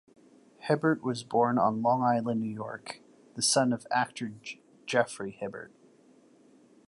Hibbert was born on Long Island, New York, the son of actor Geoffrey Hibbert.